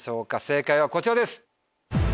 正解はこちらです。